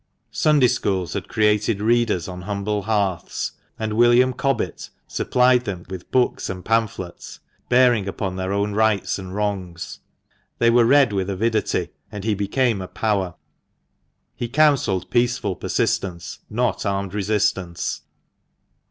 Sunday schools had created readers on humble hearths, and William Cobbett supplied them with books and pamphlets bearing on their own rights and wrongs. They were read with avidity, and he became a power. He counselled peaceful persistence, not armed resistance.